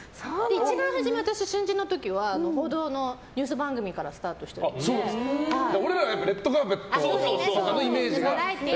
一番初め、私新人の時は報道のニュース番組から俺ら、「レッドカーペット」のイメージがね。